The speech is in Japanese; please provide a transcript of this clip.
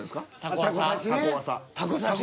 「タコ刺し」